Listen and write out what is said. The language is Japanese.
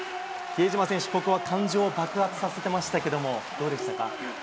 比江島選手、ここは感情を爆発させてましたけど、どうでしたか？